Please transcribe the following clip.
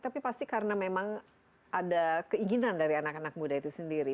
tapi pasti karena memang ada keinginan dari anak anak muda itu sendiri